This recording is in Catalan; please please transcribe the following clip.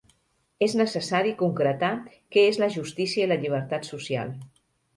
És necessari concretar què és la justícia i la llibertat social.